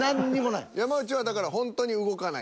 山内はだからほんとに動かない。